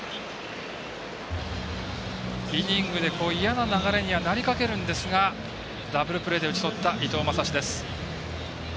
イニングで、嫌な流れにはなりかけるんですがダブルプレーで打ち取った伊藤将司です。